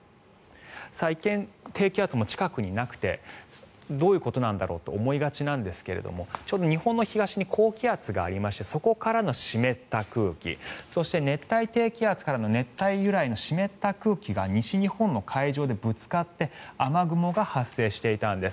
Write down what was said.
一見、低気圧も近くになくてどういうことなんだろうと思いがちなんですがちょうど日本の東に高気圧がありましてそこからの湿った空気そして熱帯低気圧からの熱帯由来の湿った空気が西日本の海上でぶつかって雨雲が発生していたんです。